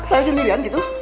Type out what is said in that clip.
saya sendiri an gitu